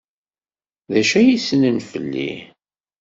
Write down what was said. D acu ay ssnen fell-i?